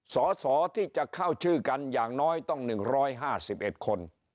สสที่จะเข้าชื่อกันอย่างน้อยต้อง๑๕๑คน